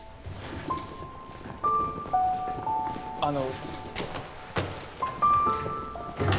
あの。